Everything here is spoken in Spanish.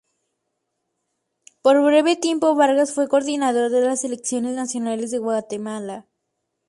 Por breve tiempo, Vargas fue coordinador de las selecciones nacionales de Guatemala.